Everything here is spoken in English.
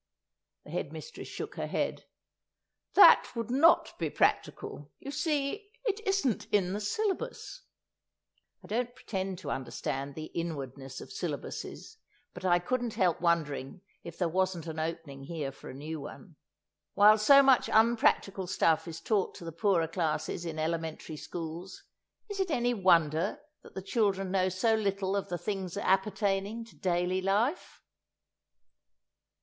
The head mistress shook her head. "That would not be practical; you see, it isn't in the Syllabus." I don't pretend to understand the inwardness of syllabuses, but I couldn't help wondering if there wasn't an opening here for a new one. While so much unpractical stuff is taught to the poorer classes in elementary schools, is it any wonder that the children know so little of the things appertaining to daily life?